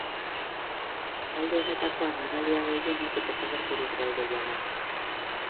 Talde honetako animalia gehienak desagerturik daude jada.